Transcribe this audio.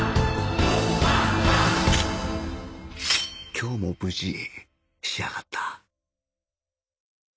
今日も無事仕上がった